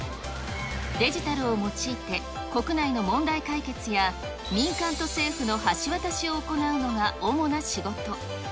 デジタルを用いて、国内の問題解決や、民間と政府の橋渡しを行うのが、主な仕事。